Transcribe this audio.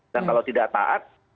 dan kalau tidak taat